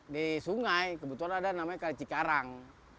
di sungai kebetulan ada namanya kali cikarang